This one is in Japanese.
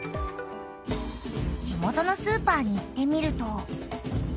地元のスーパーに行ってみると。